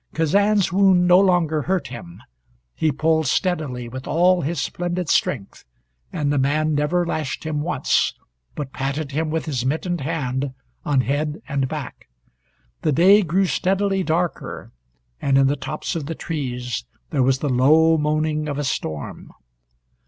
Kazan's wound no longer hurt him. He pulled steadily with all his splendid strength, and the man never lashed him once, but patted him with his mittened hand on head and back. The day grew steadily darker and in the tops of the trees there was the low moaning of a storm.